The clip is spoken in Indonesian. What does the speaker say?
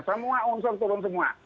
semua unsur turun semua